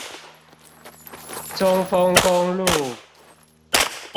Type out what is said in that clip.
中豐公路